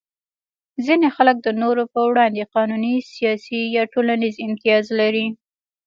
ځینې خلک د نورو په وړاندې قانوني، سیاسي یا ټولنیز امتیاز لري.